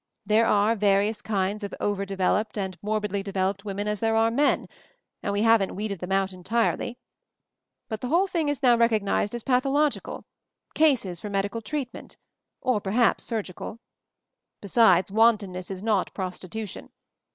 There are various kinds of over developed and mor bidly developed women as there are men, and we haven't weeded them out entirely. But the whole thing is now recognized as pathological — cases for medical treatment, or perhaps surgical. Besides, wantonness is not prostitution.